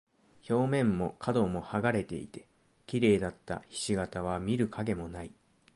表面も角も剥がれていて、綺麗だった菱形は見る影もない。